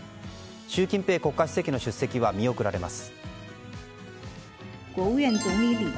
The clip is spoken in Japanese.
習近平国家主席の出席は見送られます。